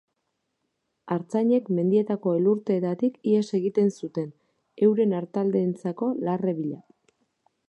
Artzainek mendietako elurteetatik ihes egiten zuten, euren artaldeentzako larre bila.